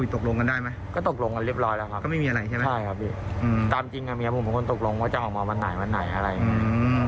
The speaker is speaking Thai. ใช่ครับพี่ตามจริงกับเมียผมเป็นคนตกลงว่าจะออกมาวันไหนวันไหนอะไรอย่างนี้